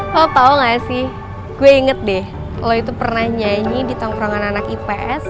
lo tahu gak sih gue inget deh lo itu pernah nyanyi di tongkrangan anak ips